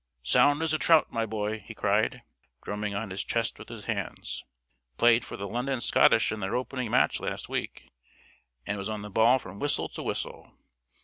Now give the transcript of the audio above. "Sound as a trout, my boy!" he cried, drumming on his chest with his hands. "Played for the London Scottish in their opening match last week, and was on the ball from whistle to whistle.